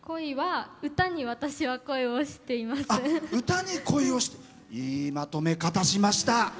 歌に恋をいいまとめ方しました。